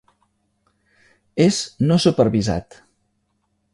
És no supervisat.